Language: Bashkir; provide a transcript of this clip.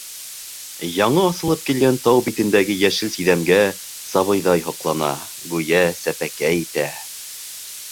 Яңы асылып килгән тау битендәге йәшел сиҙәмгә сабыйҙай һоҡлана, гүйә, сәпәкәй итә.